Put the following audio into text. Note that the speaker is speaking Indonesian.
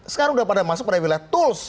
sekarang sudah pada masuk pada wilayah tools